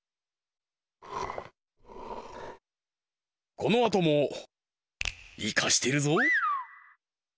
このあともイカしてるぞ！